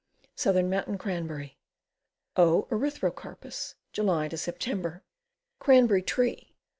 Southern Mountain Cranberry. O. eryihrocarpus. July Sep. Cranberry Tree.